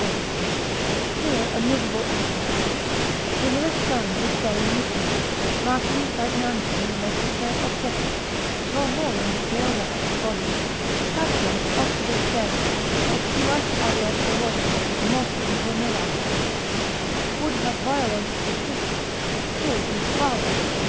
Austin) hear a miserable accident; Cyrillus' son this day in his drink, Matrem praegnantem nequiter oppressit, sororem violare voluit, patrem occidit fere, et duas alias sorores ad mortem vulneravit, would have violated his sister, killed his father, &c.